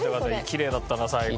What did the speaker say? きれいだったな最後。